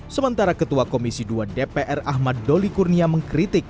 keputusan kpu yang ditutup